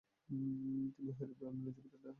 তিনি Henry Brown এবং Elizabeth Ada হার্টের পুত্র।